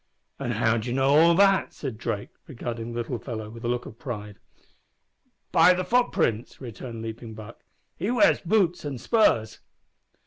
"And how d'ye know all that?" said Drake, regarding the little fellow with a look of pride. "By the footprints," returned Leaping Buck. "He wears boots and spurs."